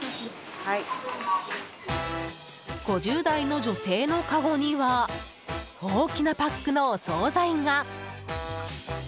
５０代の女性のかごには大きなパックのお総菜が。